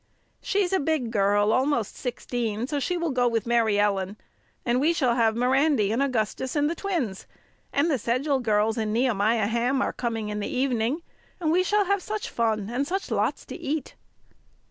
"She's a big girl, almost sixteen, and she will go with Mary Ellen, and we shall have Mirandy and Augustus and the twins, and the Sedgell girls and Nehemiah Ham are coming in the evening, and we shall have such fun, and such lots to eat!"